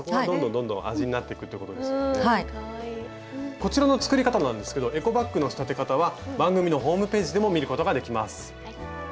こちらの作り方なんですけどエコバッグの仕立て方は番組のホームページでも見ることができます。